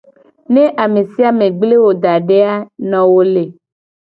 Ne ame sia me gble wo da de a, no wo le.